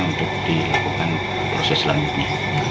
untuk dilakukan proses selanjutnya